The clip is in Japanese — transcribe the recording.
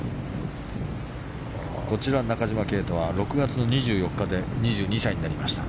こちら中島啓太は６月２４日で２２歳になりました。